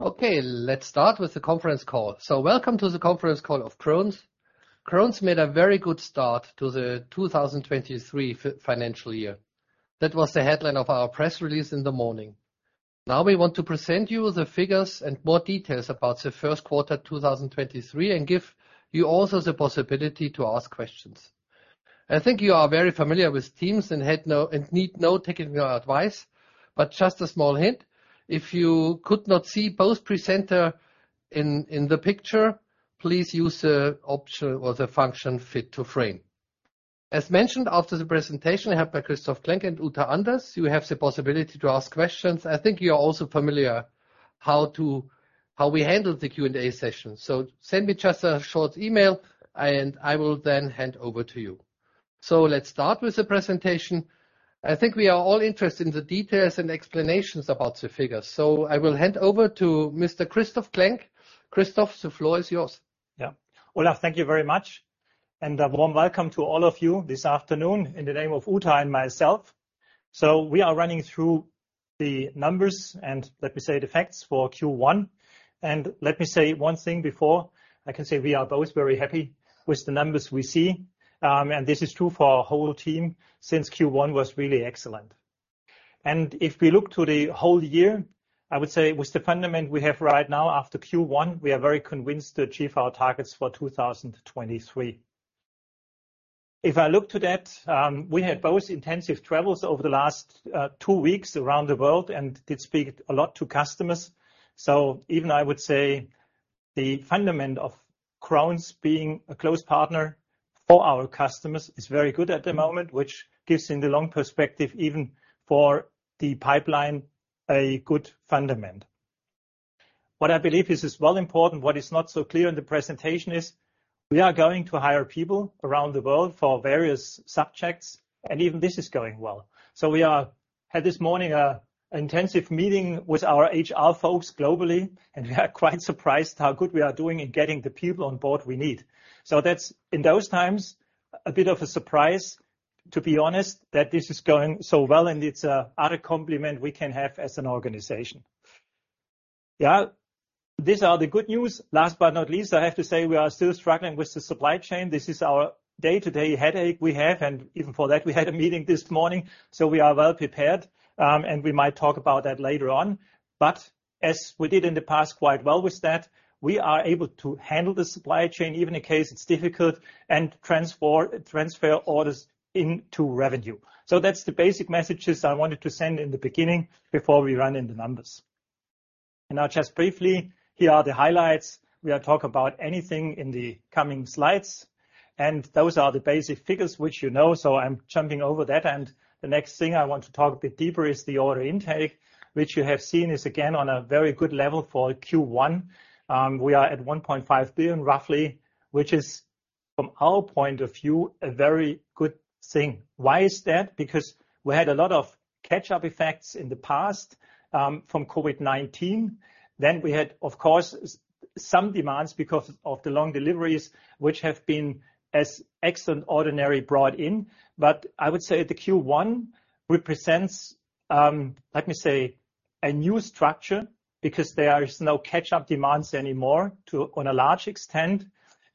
Let's start with the conference call. Welcome to the Conference call of Krones. Krones made a very good start to the 2023 financial year. That was the headline of our press release in the morning. We want to present you the figures and more details about the first quarter 2023, and give you also the possibility to ask questions. I think you are very familiar with Teams and need no technical advice, but just a small hint, if you could not see both presenter in the picture, please use the option or the function fit to frame. As mentioned, after the presentation held by Christoph Klenk and Uta Anders, you have the possibility to ask questions. I think you are also familiar how we handle the Q&A session. Send me just a short email, and I will then hand over to you. Let's start with the presentation. I think we are all interested in the details and explanations about the figures. I will hand over to Mr. Christoph Klenk. Christoph, the floor is yours. Yeah. Olaf, thank you very much, and a warm welcome to all of you this afternoon in the name of Uta and myself. We are running through the numbers, and let me say the facts for Q1. Let me say one thing before. I can say we are both very happy with the numbers we see, and this is true for our whole team since Q1 was really excellent. If we look to the whole year, I would say with the fundament we have right now after Q1, we are very convinced to achieve our targets for 2023. If I look to that, we had both intensive travels over the last two weeks around the world and did speak a lot to customers. Even I would say the fundament of Krones being a close partner for our customers is very good at the moment, which gives in the long perspective, even for the pipeline, a good fundament. What I believe is well important, what is not so clear in the presentation is we are going to hire people around the world for various subjects, and even this is going well. Had this morning an intensive meeting with our HR folks globally, and we are quite surprised how good we are doing in getting the people on board we need. That's, in those times, a bit of a surprise, to be honest, that this is going so well and it's other compliment we can have as an organization. Yeah. These are the good news. Last but not least, I have to say we are still struggling with the supply chain. This is our day-to-day headache we have. Even for that, we had a meeting this morning. We are well prepared. We might talk about that later on. As we did in the past quite well with that, we are able to handle the supply chain, even in case it's difficult. Transfer orders into revenue. That's the basic messages I wanted to send in the beginning before we run in the numbers. Now just briefly, here are the highlights. We are talk about anything in the coming slides. Those are the basic figures which you know. I'm jumping over that. The next thing I want to talk a bit deeper is the order intake, which you have seen is again on a very good level for Q1. We are at 1.5 billion, roughly, which is from our point of view, a very good thing. Why is that? Because we had a lot of catch-up effects in the past, from COVID-19. We had, of course, some demands because of the long deliveries which have been as extraordinary brought in. I would say the Q1 represents, let me say, a new structure because there is no catch-up demands anymore to a large extent,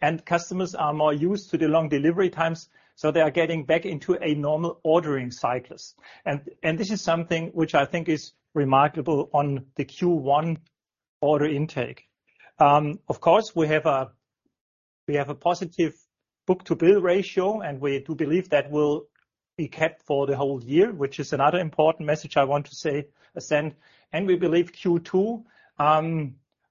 and customers are more used to the long delivery times, so they are getting back into a normal ordering cyclist. This is something which I think is remarkable on the Q1 order intake. Of course, we have a positive book-to-bill ratio. We do believe that will be kept for the whole year, which is another important message I want to say, ascend. We believe Q2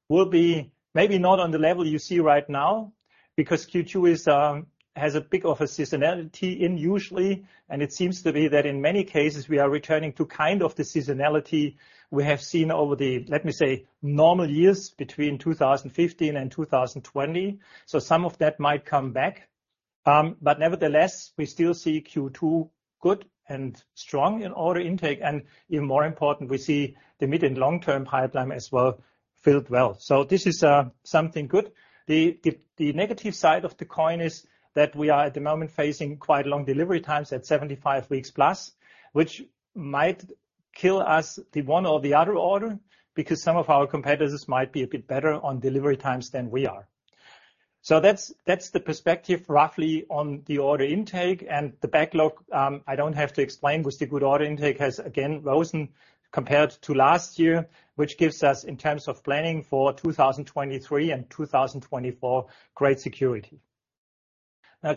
will be maybe not on the level you see right now because Q2 is has a bit of a seasonality in usually. It seems to be that in many cases, we are returning to kind of the seasonality we have seen over the, let me say, normal years between 2015 and 2020. Some of that might come back. Nevertheless, we still see Q2 good and strong in order intake. Even more important, we see the mid and long-term pipeline as well filled well. This is something good. The negative side of the coin is that we are at the moment facing quite long delivery times at 75 weeks+, which might kill us the one or the other order because some of our competitors might be a bit better on delivery times than we are. That's the perspective roughly on the order intake and the backlog. I don't have to explain with the good order intake has again risen compared to last year, which gives us in terms of planning for 2023 and 2024, great security.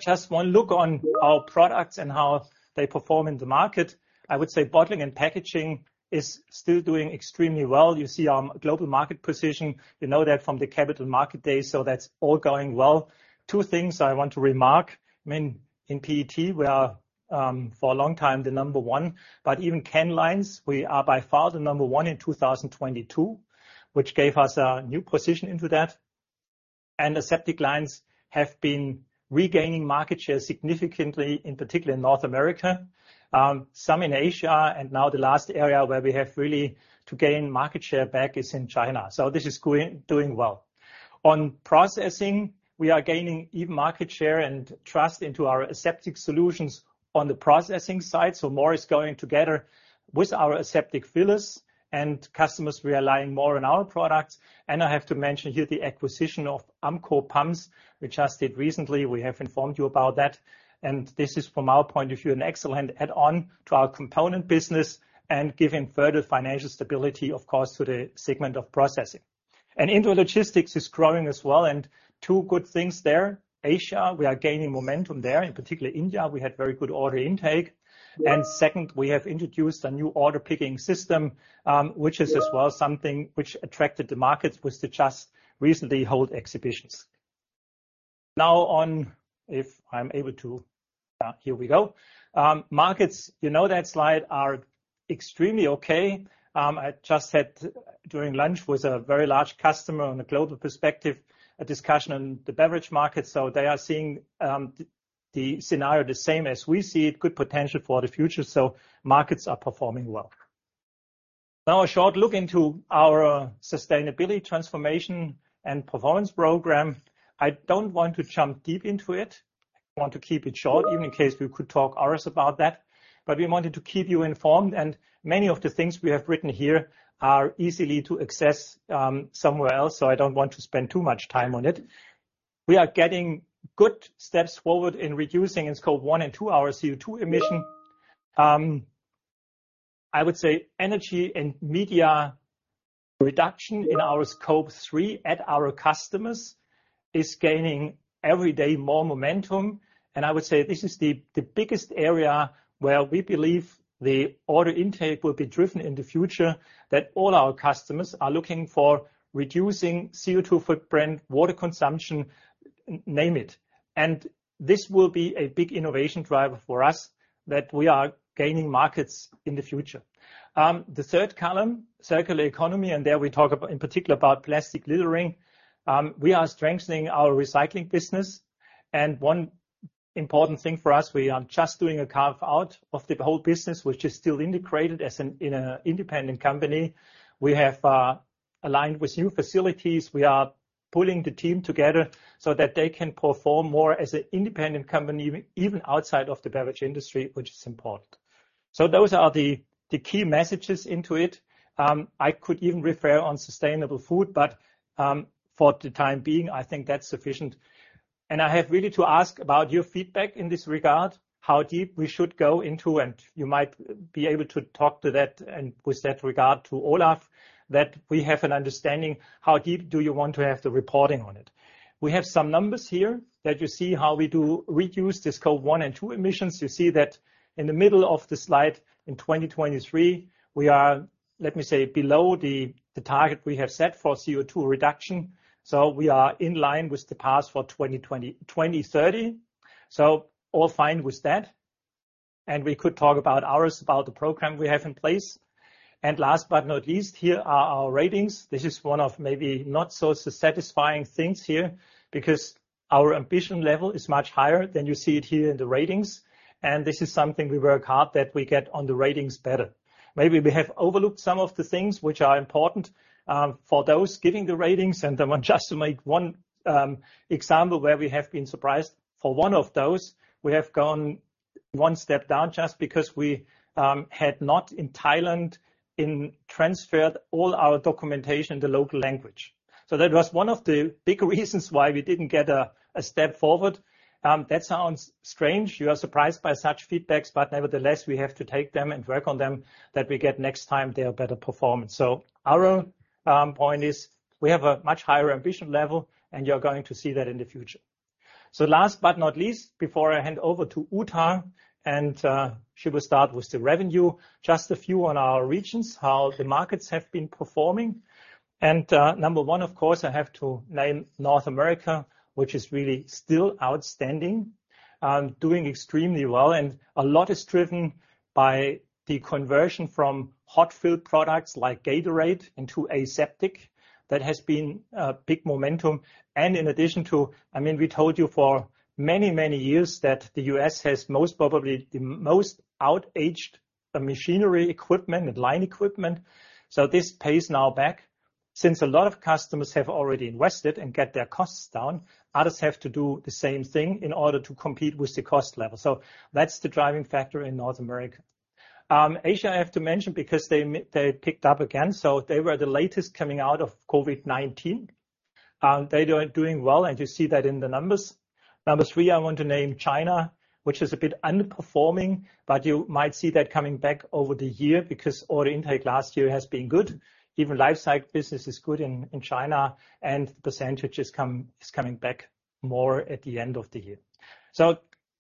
Just one look on our products and how they perform in the market. I would say bottling and packaging is still doing extremely well. You see our global market position. You know that from the capital market days, that's all going well. Two things I want to remark. I mean, in PET we are for a long time the number one. Even can lines, we are by far the number one in 2022, which gave us a new position into that. Aseptic lines have been regaining market share significantly, in particular in North America, some in Asia, and now the last area where we have really to gain market share back is in China. This is doing well. On processing, we are gaining even market share and trust into our aseptic solutions on the processing side. More is going together with our aseptic fillers and customers relying more on our products. I have to mention here the acquisition of Ampco Pumps, which I did recently. We have informed you about that. This is from our point of view, an excellent add-on to our component business and giving further financial stability, of course, to the segment of Processing. Intralogistics is growing as well, and two good things there. Asia, we are gaining momentum there. In particular India, we had very good order intake. Second, we have introduced a new order picking system, which is as well, something which attracted the markets with the just recently hold exhibitions. Now on, if I'm able to... here we go. Markets, you know that slide, are extremely okay. I just had during lunch with a very large customer on a global perspective, a discussion on the beverage market. They are seeing the scenario the same as we see it, good potential for the future. Markets are performing well. Now a short look into our sustainability transformation and performance program. I don't want to jump deep into it. I want to keep it short, even in case we could talk hours about that. We wanted to keep you informed, and many of the things we have written here are easily to access somewhere else. I don't want to spend too much time on it. We are getting good steps forward in reducing Scope 1 and Scope 2, our CO₂ emission. I would say energy and media reduction in our Scope 3 at our customers is gaining every day more momentum. I would say this is the biggest area where we believe the order intake will be driven in the future, that all our customers are looking for reducing CO₂ footprint, water consumption, name it. This will be a big innovation driver for us that we are gaining markets in the future. The third column, circular economy, there we talk in particular about plastic littering. We are strengthening our recycling business. One important thing for us, we are just doing a carve-out of the whole business, which is still integrated in an independent company. We have aligned with new facilities. We are pulling the team together so that they can perform more as an independent company, even outside of the beverage industry, which is important. Those are the key messages into it. I could even refer on sustainable food, for the time being, I think that's sufficient. I have really to ask about your feedback in this regard, how deep we should go into, and you might be able to talk to that and with that regard to Olaf, that we have an understanding, how deep do you want to have the reporting on it? We have some numbers here that you see how we do reduce the Scope 1 and 2 emissions. You see that in the middle of the slide in 2023, we are, let me say, below the target we have set for CO₂ reduction. We are in line with the path for 2030. All fine with that. We could talk about hours, about the program we have in place. Last but not least, here are our ratings. This is one of maybe not so satisfying things here because our ambition level is much higher than you see it here in the ratings. This is something we work hard that we get on the ratings better. Maybe we have overlooked some of the things which are important for those giving the ratings. I want just to make one example where we have been surprised. For one of those, we have gone one step down just because we had not in Thailand transferred all our documentation the local language. That was one of the big reasons why we didn't get a step forward. That sounds strange. You are surprised by such feedbacks, but nevertheless, we have to take them and work on them that we get next time there better performance. Our point is we have a much higher ambition level, and you're going to see that in the future. Last but not least, before I hand over to Uta, and she will start with the revenue, just a few on our regions, how the markets have been performing. Number one, of course, I have to name North America, which is really still outstanding, doing extremely well. A lot is driven by the conversion from hot fill products like Gatorade into aseptic. That has been a big momentum. In addition to, I mean, we told you for many, many years that the US has most probably the most outaged machinery equipment and line equipment. This pays now back. A lot of customers have already invested and get their costs down, others have to do the same thing in order to compete with the cost level. That's the driving factor in North America. Asia, I have to mention because they picked up again. They were the latest coming out of COVID-19. They're doing well, and you see that in the numbers. Number 3, I want to name China, which is a bit underperforming. You might see that coming back over the year because order intake last year has been good. Even lifecycle business is good in China, and the % is coming back more at the end of the year.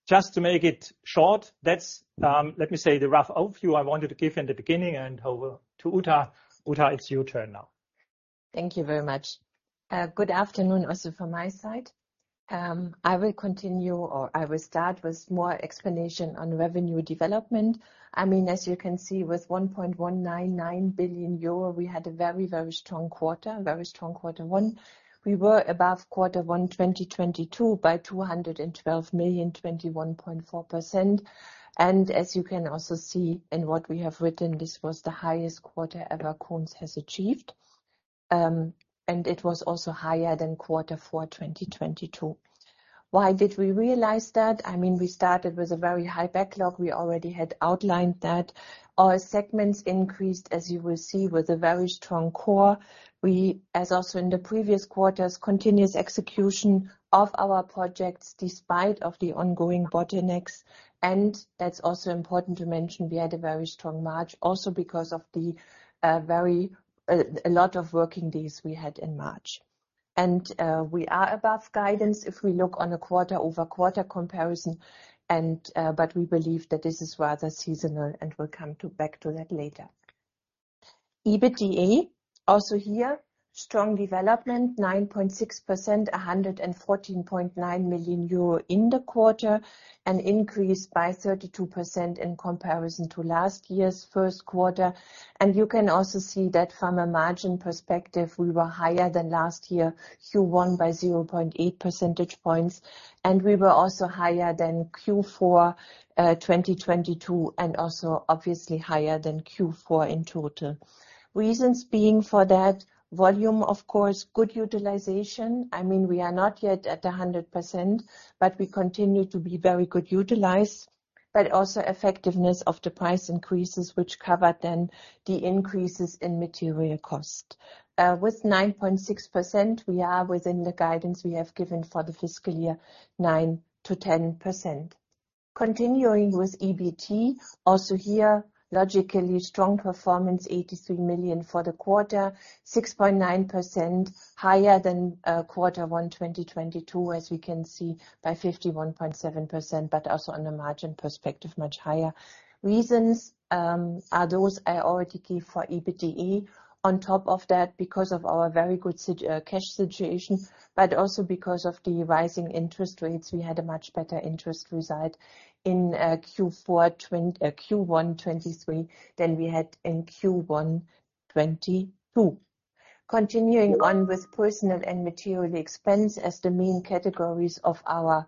Just to make it short, that's, let me say, the rough overview I wanted to give in the beginning and over to Uta. Uta, it's your turn now. Thank you very much. Good afternoon also from my side. I will continue or I will start with more explanation on revenue development. I mean, as you can see, with 1.199 billion euro, we had a very, very strong quarter, very strong quarter one. We were above quarter one 2022 by 212 million, 21.4%. As you can also see in what we have written, this was the highest quarter ever Krones has achieved. It was also higher than quarter four 2022. Why did we realize that? I mean, we started with a very high backlog. We already had outlined that. Our segments increased, as you will see, with a very strong core. We, as also in the previous quarters, continuous execution of our projects despite of the ongoing bottlenecks, and that's also important to mention, we had a very strong March also because of the very, a lot of working days we had in March. We are above guidance if we look on a quarter-over-quarter comparison and, but we believe that this is rather seasonal, and we'll come to back to that later. EBITDA, also here, strong development, 9.6%, 114.9 million euro in the quarter, an increase by 32% in comparison to last year's first quarter. You can also see that from a margin perspective, we were higher than last year Q1 by 0.8 percentage points. We were also higher than Q4, 2022, also obviously higher than Q4 in total. Reasons being for that, volume, of course, good utilization. I mean, we are not yet at 100%, we continue to be very good utilized, also effectiveness of the price increases which cover then the increases in material cost. With 9.6%, we are within the guidance we have given for the fiscal year, 9%-10%. Continuing with EBT, also here, logically strong performance, 83 million for the quarter, 6.9% higher than Q1 2022, as we can see, by 51.7%, also on a margin perspective, much higher. Reasons are those I already gave for EBITDA. On top of that, because of our very good cash situation, but also because of the rising interest rates, we had a much better interest result in Q1 2023 than we had in Q1 2022. Continuing on with personal and material expense as the main categories of our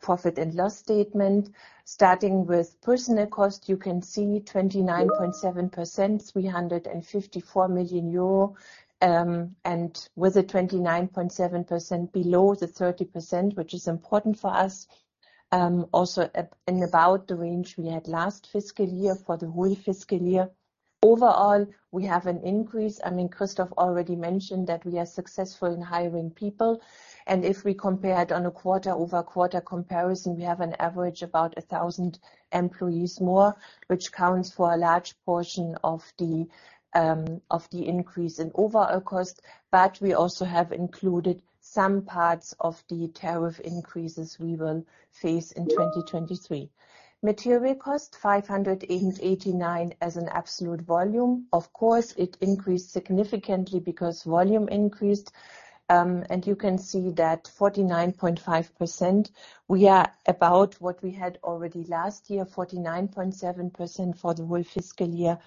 profit and loss statement. Starting with personal cost, you can see 29.7%, 354 million euro, and with a 29.7% below the 30%, which is important for us. Also at and about the range we had last fiscal year for the whole fiscal year. Overall, we have an increase. I mean, Christoph already mentioned that we are successful in hiring people. If we compare it on a quarter-over-quarter comparison, we have an average about 1,000 employees more, which counts for a large portion of the increase in overall cost. We also have included some parts of the tariff increases we will face in 2023. Material cost, 589 as an absolute volume. Of course, it increased significantly because volume increased. You can see that 49.5%, we are about what we had already last year, 49.7% for the whole fiscal year.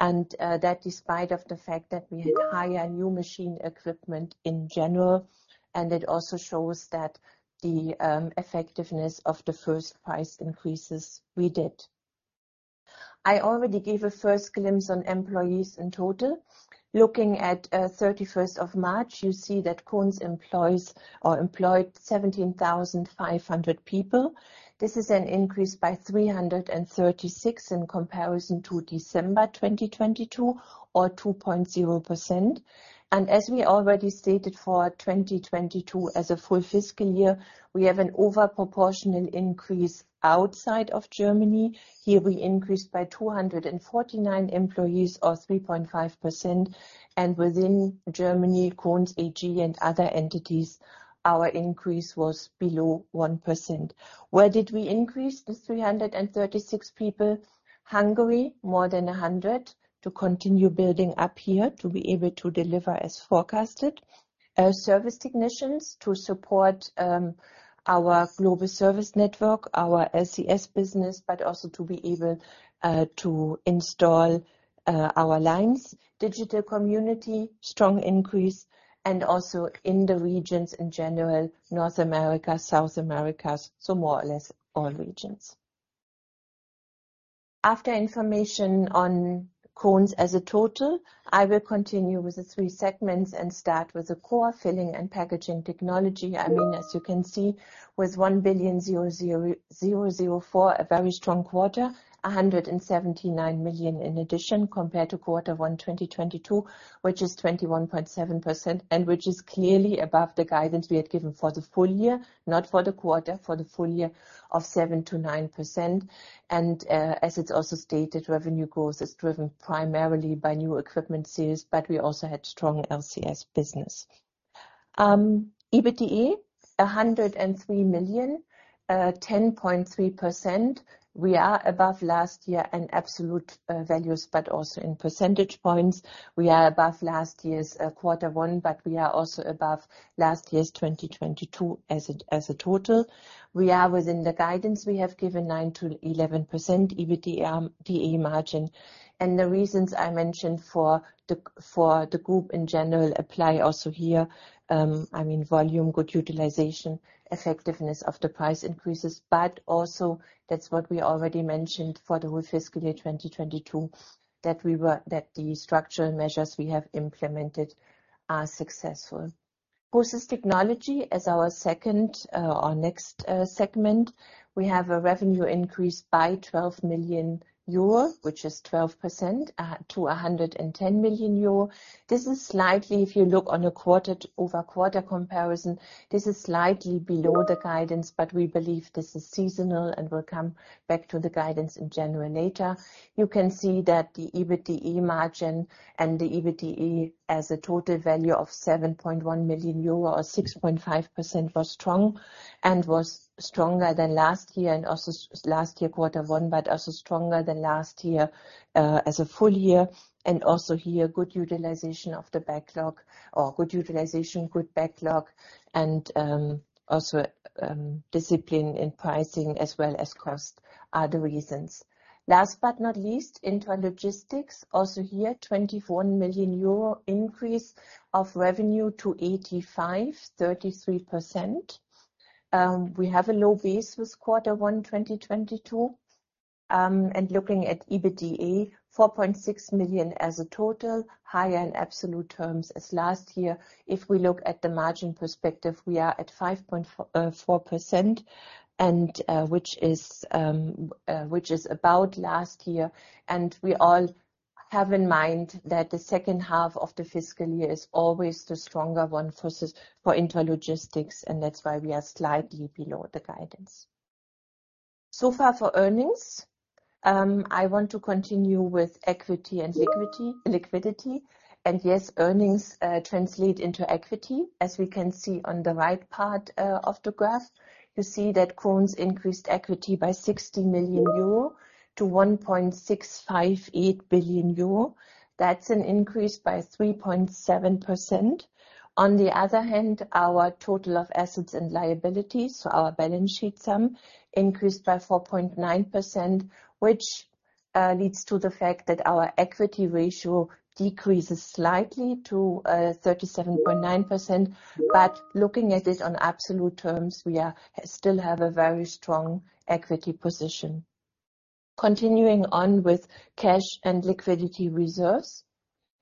That despite of the fact that we had higher new machine equipment in general, and it also shows that the effectiveness of the first price increases we did. I already gave a first glimpse on employees in total. Looking at 31st of March, you see that Krones employs or employed 17,500 people. This is an increase by 336 in comparison to December 2022 or 2.0%. As we already stated for 2022 as a full fiscal year, we have an over proportional increase outside of Germany. Here we increased by 249 employees or 3.5%. Within Germany, Krones AG and other entities, our increase was below 1%. Where did we increase the 336 people? Hungary, more than 100, to continue building up here to be able to deliver as forecasted. Service technicians to support our global service network, our LCS business, but also to be able to install our lines. Krones.digital community, strong increase, also in the regions in general, North America, South Americas, more or less all regions. After information on Krones as a total, I will continue with the three segments and start with the core filling and packaging technology. I mean, as you can see, with 1,000,000,004, a very strong quarter, 179 million in addition compared to Q1 2022, which is 21.7% and which is clearly above the guidance we had given for the full year, not for the quarter, for the full year of 7%-9%. As it's also stated, revenue growth is driven primarily by new equipment sales, but we also had strong LCS business. EBITDA, EUR 103 million, 10.3%. We are above last year in absolute values, but also in percentage points. We are above last year's quarter one, but we are also above last year's 2022 as a total. We are within the guidance we have given, 9%-11% EBITDA margin. The reasons I mentioned for the group in general apply also here. I mean volume, good utilization, effectiveness of the price increases, but also that's what we already mentioned for the whole fiscal year 2022, that the structural measures we have implemented are successful. Process technology as our second or next segment. We have a revenue increase by 12 million euro, which is 12%, to 110 million euro. This is slightly, if you look on a quarter-over-quarter comparison, this is slightly below the guidance, but we believe this is seasonal and will come back to the guidance in January later. You can see that the EBITDA margin and the EBITDA as a total value of 7.1 million euro or 6.5% was strong and was stronger than last year and also last year quarter one, but also stronger than last year as a full year. Also here, good utilization of the backlog or good utilization, good backlog and also discipline in pricing as well as cost are the reasons. Last but not least, Intralogistics. Also here, 21 million euro increase of revenue to 85 million, 33%. We have a low base this quarter one 2022. Looking at EBITDA, 4.6 million as a total, higher in absolute terms as last year. If we look at the margin perspective, we are at 5.4%, which is about last year. We all have in mind that the second half of the fiscal year is always the stronger one for Intralogistics, and that's why we are slightly below the guidance. So far for earnings, I want to continue with equity and liquidity. Yes, earnings translate into equity. As we can see on the right part of the graph, you see that Krones increased equity by 60 million euro to 1.658 billion euro. That's an increase by 3.7%. On the other hand, our total of assets and liabilities, so our balance sheet sum, increased by 4.9%, which leads to the fact that our equity ratio decreases slightly to 37.9%. Looking at it on absolute terms, we still have a very strong equity position. Continuing on with cash and liquidity reserves.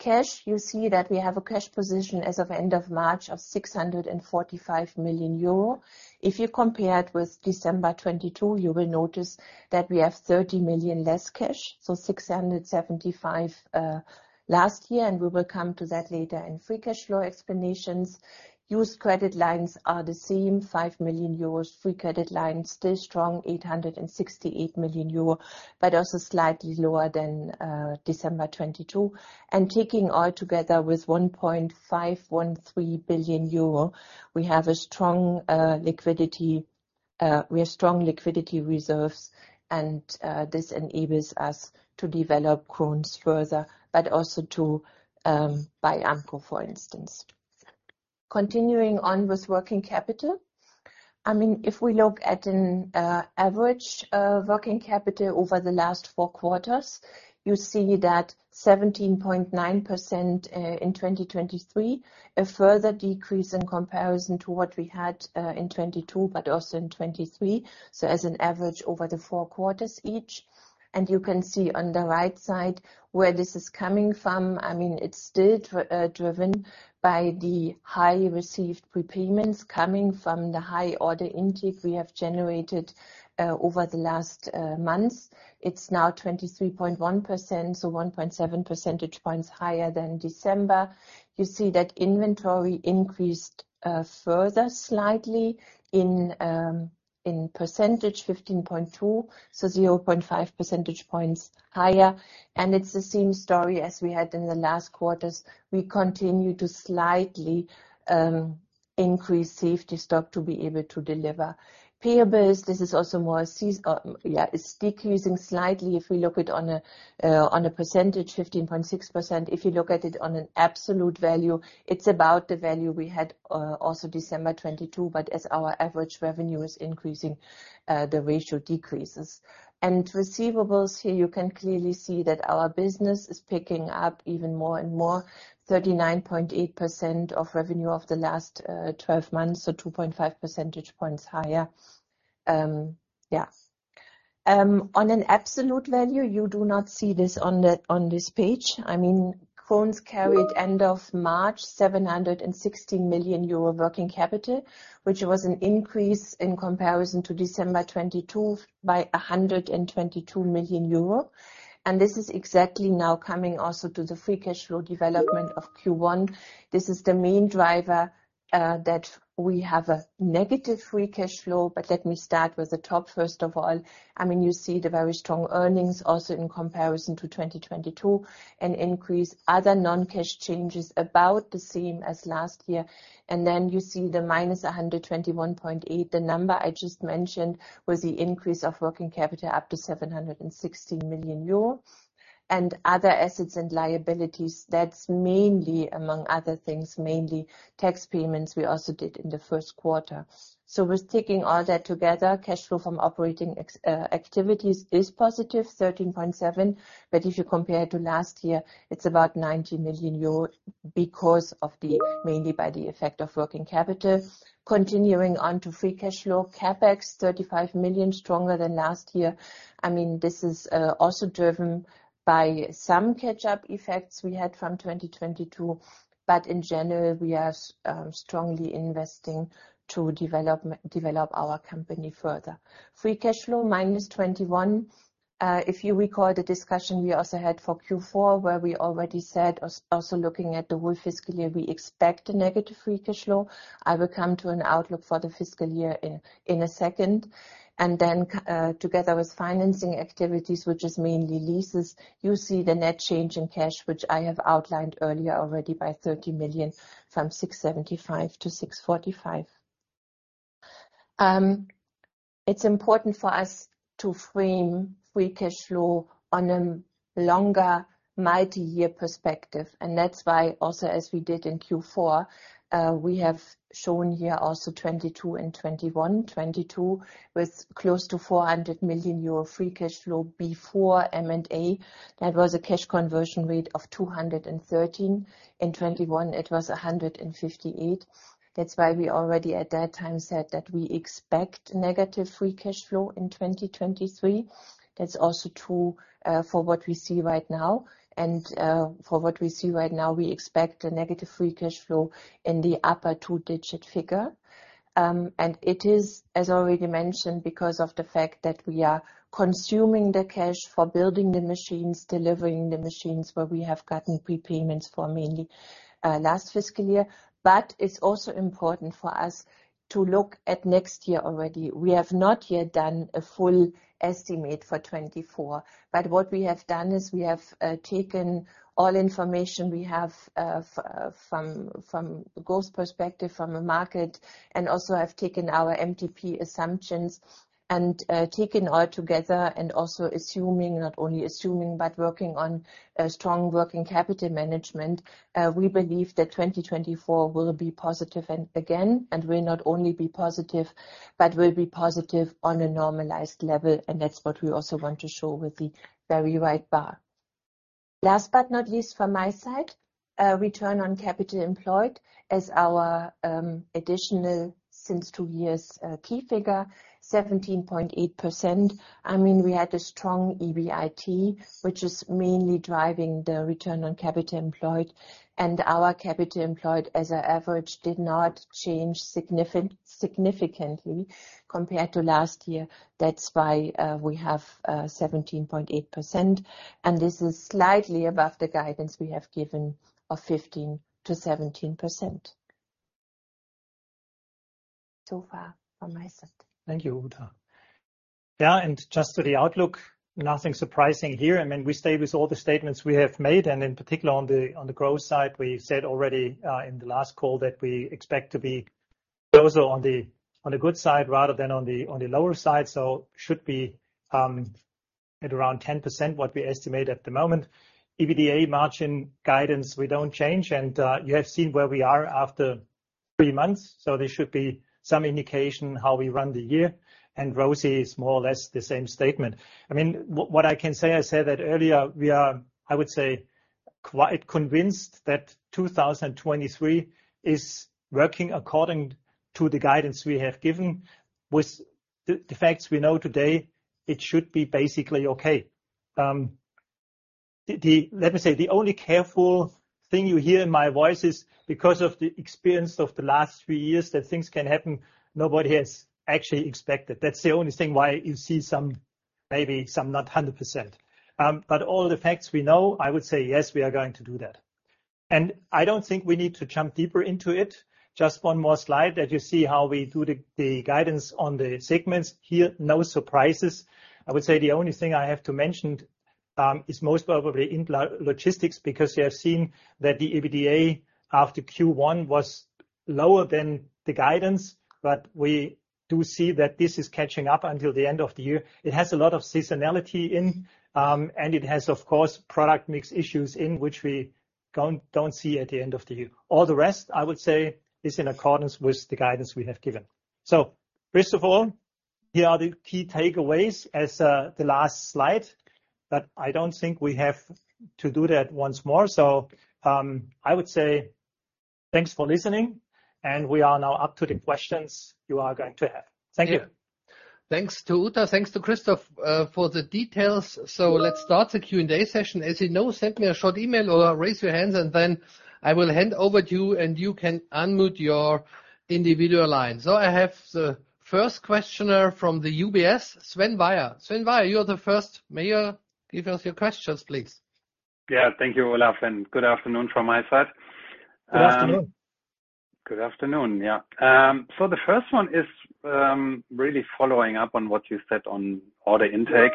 Cash, you see that we have a cash position as of end of March of 645 million euro. If you compare it with December 2022, you will notice that we have 30 million less cash, so 675 million last year, and we will come to that later in free cash flow explanations. Used credit lines are the same, 5 million euros. Free credit lines still strong, 868 million euros, but also slightly lower than December 2022. Taking all together with 1.513 billion euro, we have strong liquidity reserves, this enables us to develop Krones further, but also to buy Ampco, for instance. Continuing on with working capital. I mean, if we look at an average working capital over the last four quarters, you see that 17.9% in 2023, a further decrease in comparison to what we had in 2022, but also in 2023. As an average over the four quarters each. You can see on the right side where this is coming from. I mean, it's still driven by the high received prepayments coming from the high order intake we have generated over the last months. It's now 23.1%, so 1.7 percentage points higher than December. You see that inventory increased further slightly in percentage, 15.2%, so 0.5 percentage points higher. It's the same story as we had in the last quarters. We continue to slightly increase safety stock to be able to deliver. Payables, this is also more yeah, it's decreasing slightly if we look it on a percentage, 15.6%. If you look at it on an absolute value, it's about the value we had also December 22. As our average revenue is increasing, the ratio decreases. Receivables here, you can clearly see that our business is picking up even more and more, 39.8% of revenue of the last 1two months, so 2.5 percentage points higher. Yeah. On an absolute value, you do not see this on the, on this page. I mean, Krones carried end of March 760 million euro working capital, which was an increase in comparison to December 2022 by 122 million euro. This is exactly now coming also to the free cash flow development of Q1. This is the main driver that we have a negative free cash flow. Let me start with the top first of all. I mean, you see the very strong earnings also in comparison to 2022, an increase. Other non-cash changes about the same as last year. You see the -121.8. The number I just mentioned was the increase of working capital up to 760 million euro. Other assets and liabilities, that's mainly, among other things, mainly tax payments we also did in the first quarter. With taking all that together, cash flow from operating activities is positive, 13.7. If you compare to last year, it's about 90 million euros because of the mainly by the effect of working capital. Continuing on to free cash flow. CapEx, 35 million, stronger than last year. I mean, this is also driven by some catch-up effects we had from 2022. In general, we are strongly investing to develop our company further. Free cash flow, -21. If you recall the discussion we also had for Q4, where we already said also looking at the whole fiscal year, we expect a negative free cash flow. I will come to an outlook for the fiscal year in a second. Together with financing activities, which is mainly leases, you see the net change in cash, which I have outlined earlier already by 30 million from 675 to 645. It's important for us to frame free cash flow on a longer multi-year perspective, and that's why also as we did in Q4, we have shown here also 2022 and 2021. 2022 with close to 400 million euro free cash flow before M&A. That was a cash conversion rate of 213. In 2021, it was 158. That's why we already at that time said that we expect negative free cash flow in 2023. That's also true for what we see right now. For what we see right now, we expect a negative free cash flow in the upper two-digit figure. It is, as already mentioned, because of the fact that we are consuming the cash for building the machines, delivering the machines where we have gotten prepayments for mainly last fiscal year. It's also important for us to look at next year already. We have not yet done a full estimate for 2024, but what we have done is we have taken all information we have from growth perspective, from the market, and also have taken our MTP assumptions and taken all together and also assuming, not only assuming, but working on a strong working capital management. We believe that 2024 will be positive and again, will not only be positive, but will be positive on a normalized level. That's what we also want to show with the very right bar. Last but not least from my side, return on capital employed as our additional since two years key figure 17.8%. I mean, we had a strong EBIT, which is mainly driving the return on capital employed. Our capital employed as an average did not change significantly compared to last year. That's why we have 17.8%. This is slightly above the guidance we have given of 15%-17%. Far from my side. Thank you, Uta. Just to the outlook, nothing surprising here. I mean, we stay with all the statements we have made, and in particular on the growth side, we said already in the last call that we expect to be closer on the good side rather than on the lower side. Should be at around 10%, what we estimate at the moment. EBITDA margin guidance, we don't change. You have seen where we are after three months, so there should be some indication how we run the year. ROSI is more or less the same statement. I mean, what I can say, I said that earlier, we are, I would say, quite convinced that 2023 is working according to the guidance we have given. With the facts we know today, it should be basically okay. Let me say, the only careful thing you hear in my voice is because of the experience of the last few years that things can happen, nobody has actually expected. That's the only thing why you see some, maybe some not 100%. All the facts we know, I would say, yes, we are going to do that. I don't think we need to jump deeper into it. Just 1 more slide that you see how we do the guidance on the segments. Here, no surprises. I would say the only thing I have to mention, is most probably in logistics, because you have seen that the EBITDA after Q1 was lower than the guidance. We do see that this is catching up until the end of the year. It has a lot of seasonality in, it has, of course, product mix issues in which we don't see at the end of the year. All the rest, I would say, is in accordance with the guidance we have given. First of all, here are the key takeaways as the last slide. I don't think we have to do that once more. I would say thanks for listening and we are now up to the questions you are going to have. Thank you. Thanks to Uta, thanks to Christoph for the details. Let's start the Q&A session. As you know, send me a short email or raise your hands, and then I will hand over to you and you can unmute your individual line. I have the first questioner from the UBS, Sven Weier. Sven Weier, you're the first. May you give us your questions, please? Yeah. Thank you, Olaf. Good afternoon from my side. Good afternoon. Good afternoon. Yeah. The first one is really following up on what you said on order intake.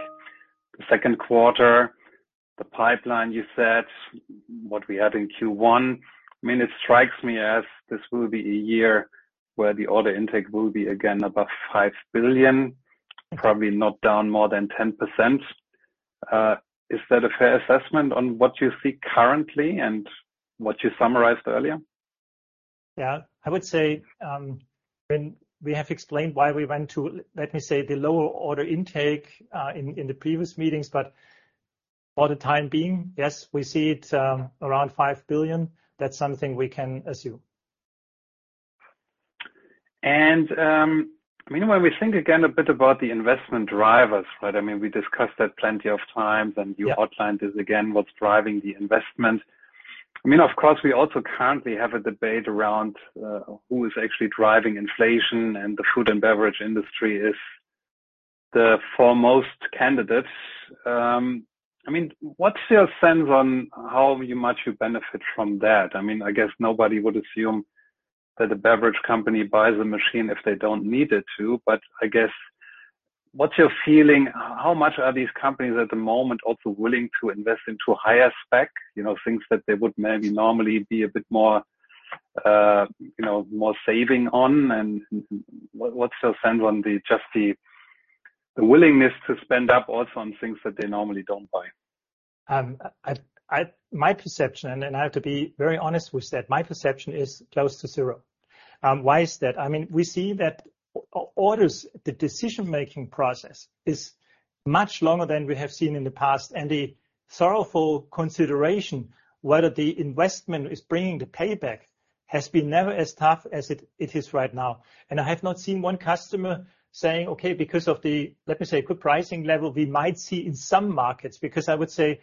The second quarter, the pipeline you set, what we had in Q1. I mean, it strikes me as this will be a year where the order intake will be again above 5 billion, probably not down more than 10%. Is that a fair assessment on what you see currently and what you summarized earlier? I would say, when we have explained why we went to, let me say, the lower order intake, in the previous meetings, but for the time being, yes, we see it, around 5 billion. That's something we can assume. I mean, when we think again a bit about the investment drivers, right? I mean, we discussed that plenty of times, and you outlined it again, what's driving the investment. I mean, of course, we also currently have a debate around, who is actually driving inflation, and the food and beverage industry is the foremost candidate. I mean, what's your sense on how much you benefit from that? I mean, I guess nobody would assume that a beverage company buys a machine if they don't need it to, but I guess, what's your feeling? How much are these companies at the moment also willing to invest into a higher spec? You know, things that they would maybe normally be a bit more, you know, more saving on. What's your sense on the, just the willingness to spend up also on things that they normally don't buy? My perception, and I have to be very honest with that, my perception is close to zero. Why is that? I mean, we see that orders, the decision-making process is much longer than we have seen in the past. The sorrowful consideration whether the investment is bringing the payback has been never as tough as it is right now. I have not seen one customer saying, Okay, because of the, let me say, good pricing level we might see in some markets. Because I would say,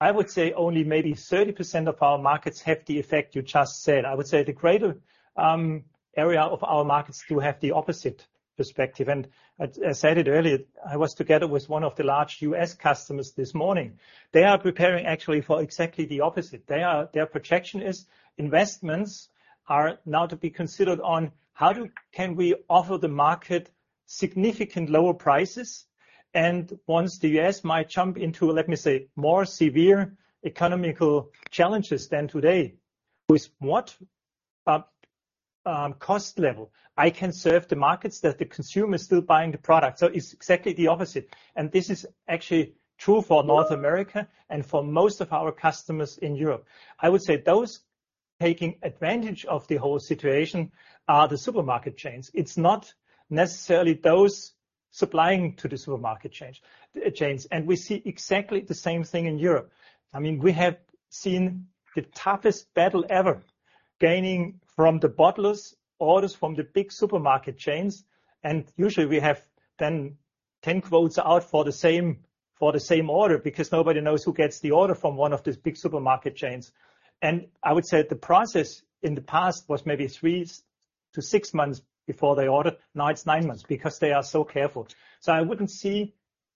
I would say only maybe 30% of our markets have the effect you just said. I would say the greater area of our markets do have the opposite perspective. I said it earlier, I was together with one of the large U.S. customers this morning. They are preparing actually for exactly the opposite. Their projection is investments are now to be considered on how can we offer the market significant lower prices? Once the U.S. might jump into, let me say, more severe economical challenges than today, with what cost level I can serve the markets that the consumer is still buying the product. It's exactly the opposite. This is actually true for North America and for most of our customers in Europe. I would say those taking advantage of the whole situation are the supermarket chains. It's not necessarily those supplying to the supermarket chains. We see exactly the same thing in Europe. I mean, we have seen the toughest battle ever gaining from the bottlers orders from the big supermarket chains. Usually we have then 10 quotes out for the same order because nobody knows who gets the order from one of these big supermarket chains. I would say the process in the past was maybe three - six months before they order. Now it's nine months because they are so careful. I wouldn't see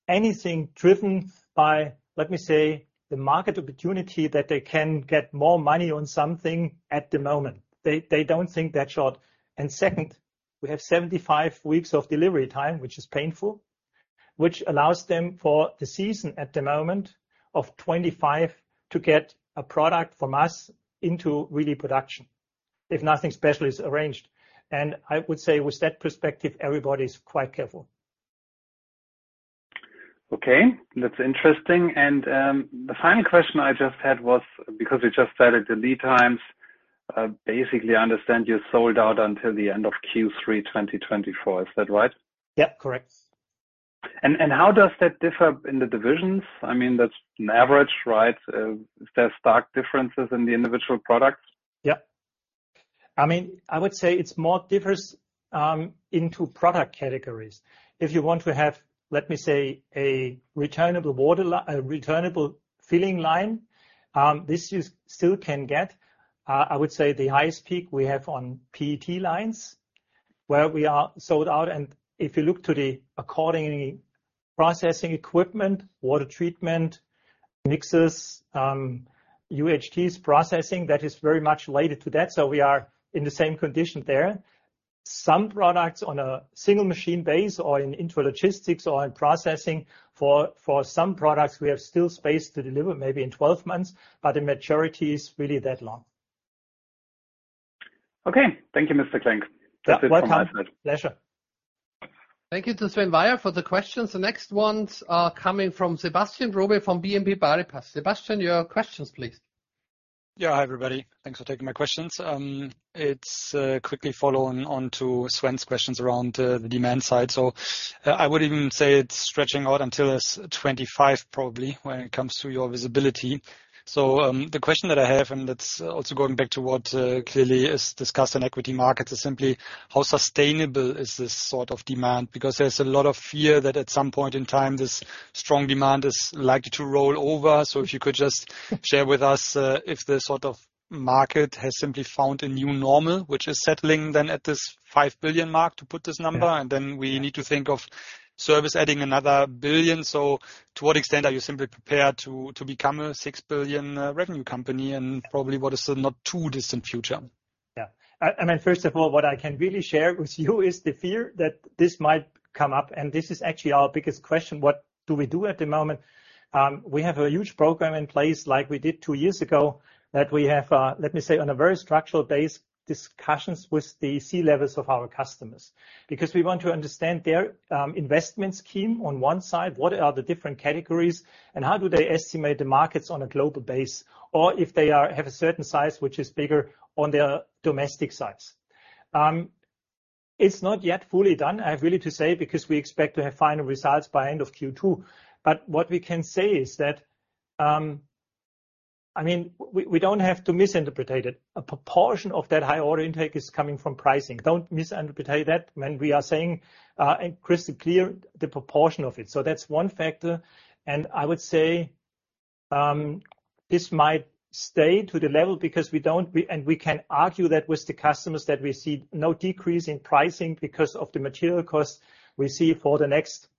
anything driven by, let me say, the market opportunity that they can get more money on something at the moment. They don't think that short. Second, we have 75 weeks of delivery time, which is painful, which allows them for the season at the moment of 25 to get a product from us into really production if nothing special is arranged. I would say with that perspective, everybody's quite careful. Okay, that's interesting. The final question I just had was because you just said that the lead times, basically I understand you're sold out until the end of Q3, 2024. Is that right? Yeah. Correct. How does that differ in the divisions? I mean, that's an average, right? Is there stark differences in the individual products? I mean, I would say it's more differs into product categories. If you want to have, let me say, a returnable filling line, this you still can get. I would say the highest peak we have on PET lines where we are sold out. If you look to the accordingly processing equipment, water treatment, mixes, UHTs processing, that is very much related to that. We are in the same condition there. Some products on a single machine base or in Intralogistics or in processing, for some products we have still space to deliver maybe in 1two months, the majority is really that long. Okay. Thank you, Mr. Klenk. Yeah. Welcome. That's it from my side. Pleasure. Thank you to Sven Weier for the questions. The next ones are coming from Sebastian Growe from BNP Paribas. Sebastian, your questions, please. Yeah. Hi, everybody. Thanks for taking my questions. It's quickly following on to Sven's questions around the demand side. I would even say it's stretching out until 2025 probably when it comes to your visibility. The question that I have, and that's also going back to what clearly is discussed in equity markets, is simply how sustainable is this sort of demand? Because there's a lot of fear that at some point in time, this strong demand is likely to roll over. If you could just share with us if the sort of market has simply found a new normal, which is settling then at this 5 billion mark, to put this number, and then we need to think of service adding another 1 billion. To what extent are you simply prepared to become a 6 billion revenue company and probably what is a not too distant future? Yeah. I mean, first of all, what I can really share with you is the fear that this might come up, and this is actually our biggest question: What do we do at the moment? We have a huge program in place like we did two years ago, that we have, let me say, on a very structural base discussions with the C-levels of our customers. We want to understand their investment scheme on one side, what are the different categories and how do they estimate the markets on a global base, or if they have a certain size which is bigger on their domestic sides. It's not yet fully done, I have really to say, because we expect to have final results by end of Q2. What we can say is that, I mean, we don't have to misinterpret it. A proportion of that high order intake is coming from pricing. Don't misinterpret that when we are saying, and crystal clear, the proportion of it. That's one factor. I would say this might stay to the level because we can argue that with the customers that we see no decrease in pricing because of the material costs we see for the next, if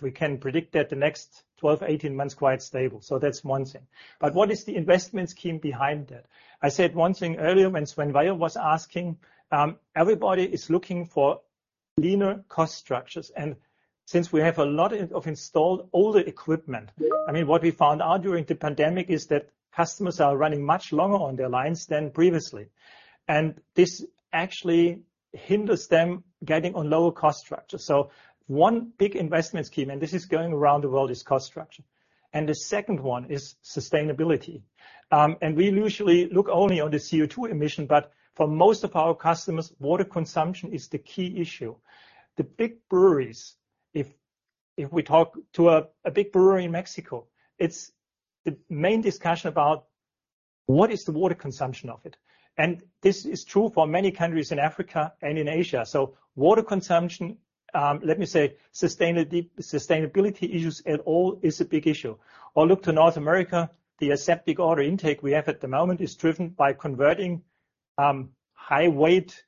we can predict that, the next 12 to 18 months, quite stable. That's one thing. What is the investment scheme behind that? I said one thing earlier when Sven Weier was asking, everybody is looking for leaner cost structures. Since we have a lot in, of installed older equipment, I mean, what we found out during the pandemic is that customers are running much longer on their lines than previously. This actually hinders them getting on lower cost structure. One big investment scheme, and this is going around the world, is cost structure. The second one is sustainability. We usually look only on the CO₂ emission, but for most of our customers, water consumption is the key issue. The big breweries, if we talk to a big brewery in Mexico, it's the main discussion about what is the water consumption of it. This is true for many countries in Africa and in Asia. Water consumption, let me say sustainability issues at all is a big issue. Look to North America, the aseptic order intake we have at the moment is driven by converting high weight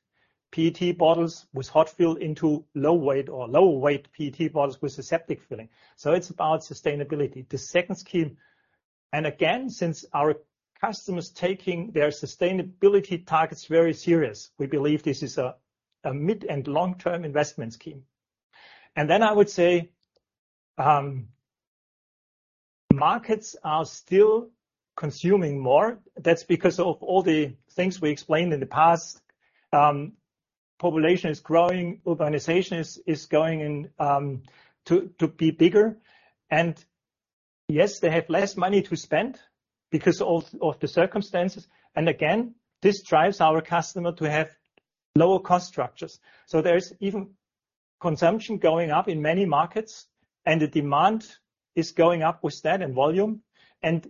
PET bottles with hot fill into low weight or lower weight PET bottles with aseptic filling. It's about sustainability. The second scheme, and again, since our customers taking their sustainability targets very serious, we believe this is a mid and long-term investment scheme. I would say markets are still consuming more. That's because of all the things we explained in the past. Population is growing, urbanization is going in to be bigger. Yes, they have less money to spend because of the circumstances. Again, this drives our customer to have lower cost structures. There is even consumption going up in many markets, and the demand is going up with that in volume.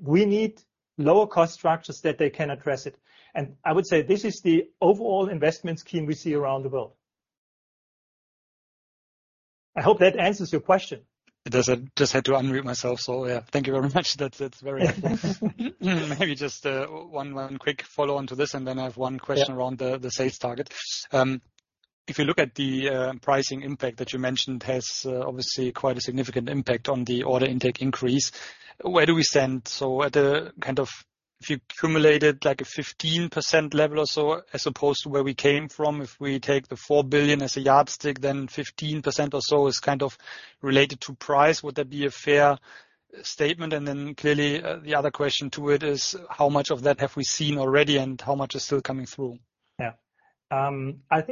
We need lower cost structures that they can address it. I would say this is the overall investment scheme we see around the world. I hope that answers your question. It does. I just had to unmute myself, so yeah. Thank you very much. That's very helpful. Maybe just one quick follow-on to this, and then I have one question around the sales target. If you look at the pricing impact that you mentioned has obviously quite a significant impact on the order intake increase, where do we stand? At a kind of... If you accumulate it like a 15% level or so as opposed to where we came from, if we take the 4 billion as a yardstick, then 15% or so is kind of related to price. Would that be a fair statement? Clearly, the other question to it is how much of that have we seen already and how much is still coming through? Yeah. I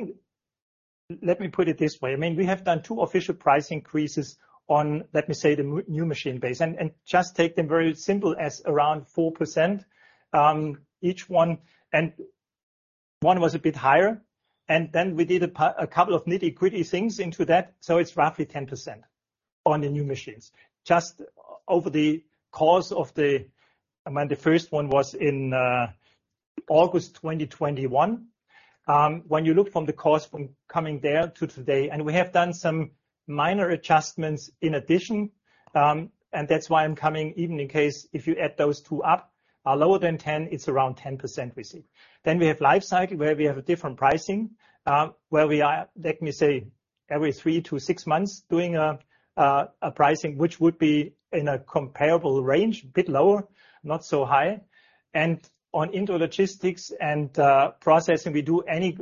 think. Let me put it this way. I mean, we have done 2 official price increases on, let me say, the new machine base, just take them very simple as around 4%, each one, and one was a bit higher. Then we did a couple of nitty-gritty things into that, so it's roughly 10% on the new machines. I mean, the first one was in August 2021. When you look from the course from coming there to today, we have done some minor adjustments in addition. That's why I'm coming, even in case if you add those 2 up, are lower than 10, it's around 10% we see. We have lifecycle, where we have a different pricing, where we are, let me say, every three - six months doing a pricing which would be in a comparable range, a bit lower, not so high. On Intralogistics and processing, we do any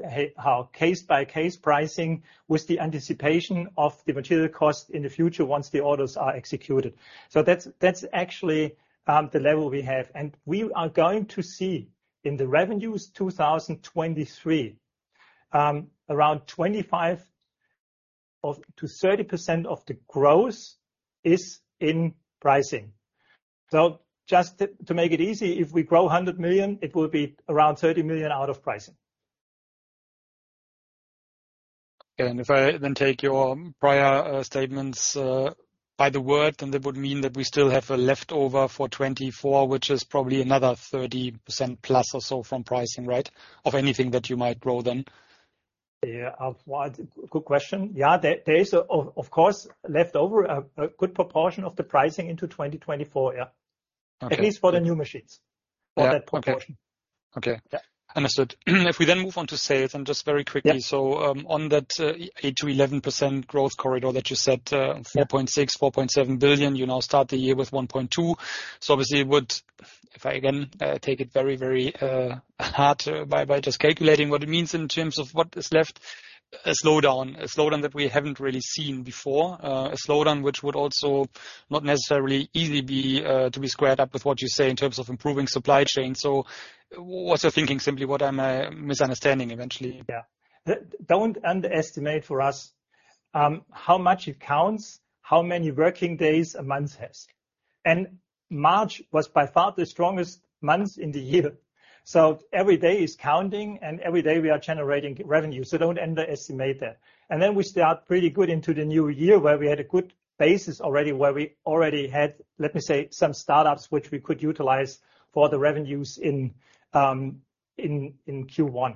case-by-case pricing with the anticipation of the material cost in the future once the orders are executed. That's actually the level we have. We are going to see in the revenues 2023, around 25% to 30% of the growth is in pricing. Just to make it easy, if we grow 100 million, it will be around 30 million out of pricing. If I then take your prior statements by the word, then that would mean that we still have a leftover for 2024, which is probably another 30% plus or so from pricing, right? Of anything that you might grow then. Yeah. Well, good question. Yeah. There is of course, leftover, a good proportion of the pricing into 2024, yeah. Okay. At least for the new machines. Yeah. Okay. That proportion. Okay. Yeah. Understood. If we then move on to sales, and just very quickly. Yeah. On that 8%-11% growth corridor that you set, 4.6 billion-4.7 billion, you now start the year with 1.2. Obviously it would, if I again, take it very hard by just calculating what it means in terms of what is left, a slowdown that we haven't really seen before. A slowdown which would also not necessarily easily be to be squared up with what you say in terms of improving supply chain. Also thinking simply what I'm misunderstanding eventually. Yeah. Don't underestimate for us, how much it counts, how many working days a month has. March was by far the strongest month in the year. Every day is counting, and every day we are generating revenue. Don't underestimate that. We start pretty good into the new year, where we had a good basis already, where we already had, let me say, some startups which we could utilize for the revenues in Q1.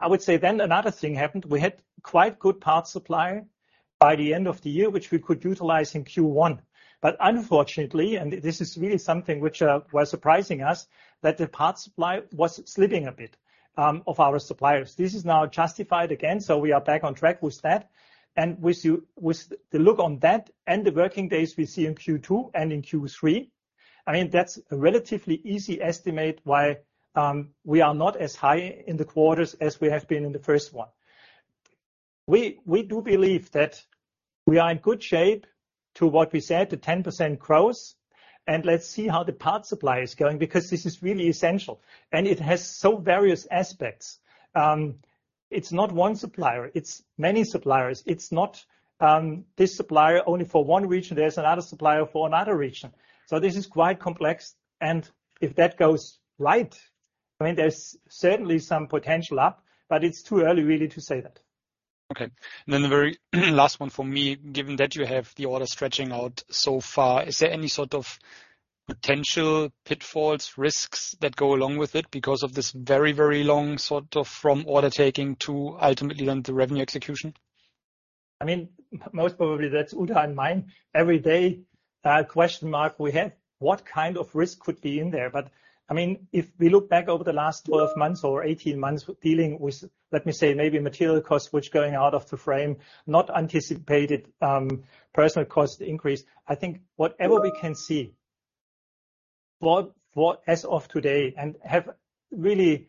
I would say then another thing happened. We had quite good parts supply by the end of the year, which we could utilize in Q1. Unfortunately, and this is really something which was surprising us, that the parts supply was slipping a bit of our suppliers. This is now justified again, we are back on track with that. With the look on that and the working days we see in Q2 and in Q3, I mean, that's a relatively easy estimate why we are not as high in the quarters as we have been in the first one. We do believe that we are in good shape to what we said, the 10% growth, and let's see how the part supply is going, because this is really essential, and it has so various aspects. It's not one supplier, it's many suppliers. It's not this supplier only for one region, there's another supplier for another region. This is quite complex, and if that goes right, I mean, there's certainly some potential up, but it's too early really to say that. Okay. The very last one for me, given that you have the order stretching out so far, is there any sort of potential pitfalls, risks that go along with it because of this very, very long sort of from order taking to ultimately then the revenue execution? I mean, most probably that's Uta and mine. Every day, question mark we have, what kind of risk could be in there? I mean, if we look back over the last 1two months or 18 months dealing with, let me say, maybe material costs which going out of the frame, not anticipated, personal cost increase, I think whatever we can see for as of today and have really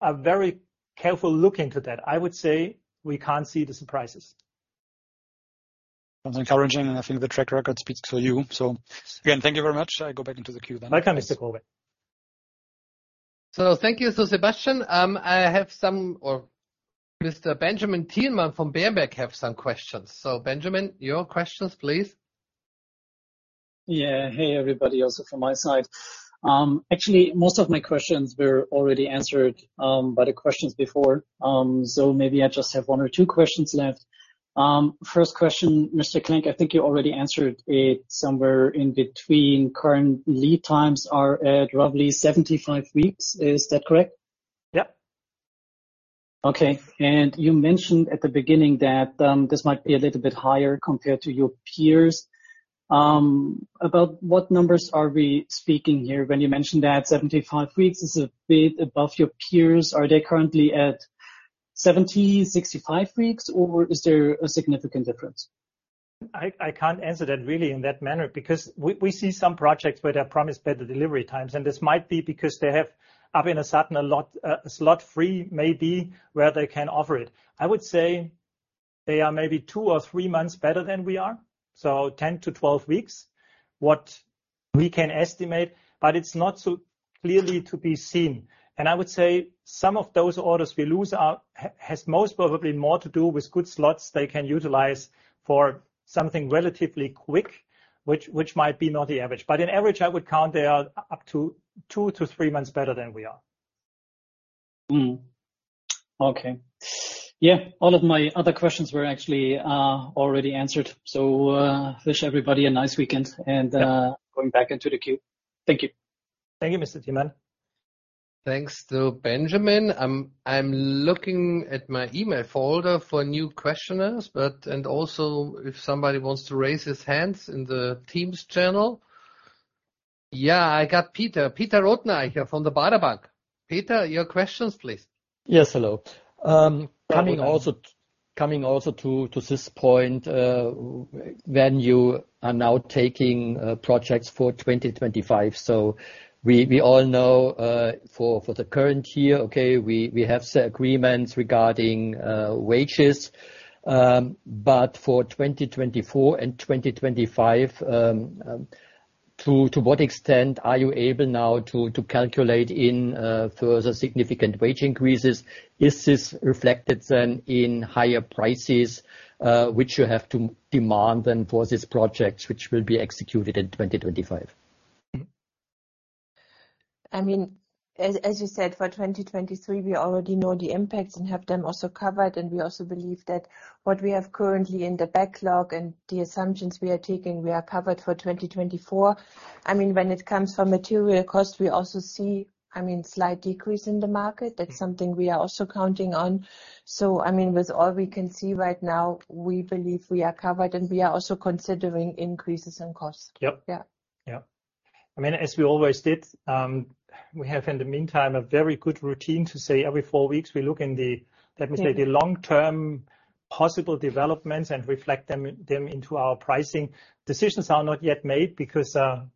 a very careful look into that, I would say we can't see the surprises. Sounds encouraging, I think the track record speaks for you. Again, thank you very much. I go back into the queue then. Welcome, Mr. Growe. Thank you, so Sebastian. I have some or Mr. Benjamin Tiemann from Berenberg have some questions. Benjamin, your questions, please. Yeah. Hey, everybody also from my side. Actually, most of my questions were already answered, by the questions before, maybe I just have one or two questions left. First question, Mr. Klenk, I think you already answered it somewhere in between. Current lead times are at roughly 75 weeks. Is that correct? Yep. Okay. You mentioned at the beginning that this might be a little bit higher compared to your peers. About what numbers are we speaking here when you mentioned that 75 weeks is a bit above your peers? Are they currently at 70, 65 weeks, or is there a significant difference? I can't answer that really in that manner because we see some projects where they promise better delivery times. This might be because they have up in a sudden a lot, a slot free maybe where they can offer it. I would say they are maybe 2 or three months better than we are, so 10 to 12 weeks, what we can estimate, but it's not so clearly to be seen. I would say some of those orders we lose has most probably more to do with good slots they can utilize for something relatively quick, which might be not the average. In average, I would count they are up to 2 to three months better than we are. Okay. Yeah. All of my other questions were actually already answered. Wish everybody a nice weekend and, going back into the queue. Thank you. Thank you, Mr. Tiemann. Thanks to Benjamin. I'm looking at my email folder for new questioners. Also, if somebody wants to raise his hands in the Teams channel. Yeah, I got Benjamin Tiemann from Berenberg here from the Baader Bank. Peter, your questions, please. Yes, hello. Coming also to this point, when you are now taking projects for 2025. We all know, for the current year, okay, we have set agreements regarding wages. For 2024 and 2025, to what extent are you able now to calculate in further significant wage increases? Is this reflected then in higher prices, which you have to demand then for these projects which will be executed in 2025? I mean, as you said, for 2023, we already know the impacts and have them also covered. We also believe that what we have currently in the backlog and the assumptions we are taking, we are covered for 2024. I mean, when it comes from material costs, we also see, I mean, slight decrease in the market. That's something we are also counting on. I mean, with all we can see right now, we believe we are covered and we are also considering increases in costs. Yep. Yeah. Yeah. I mean, as we always did, we have in the meantime a very good routine to say every four weeks, we look in the, let me say, the long-term possible developments and reflect them into our pricing. Decisions are not yet made because I